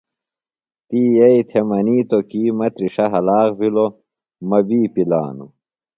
تی یئیئۡ تھےۡ منِیتوۡ کی مہ تِرݜہ ہلاخ بِھلوۡ مہ وی پِلانوۡ۔